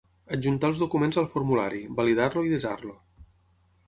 Adjuntar els documents al formulari, validar-lo i desar-lo.